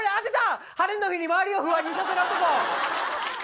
晴れの日に周りを不安にさせる男。